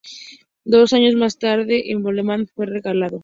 Dos años más tarde, el Volendam fue relegado.